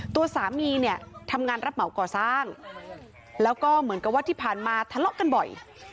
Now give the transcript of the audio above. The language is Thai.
ตัวสามีเนี่ยทำงานรับเหมาก่อสร้างแล้วก็เหมือนกับว่าที่ผ่านมาทะเลาะกันบ่อย